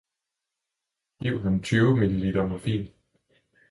Giv ham tyve ml morfin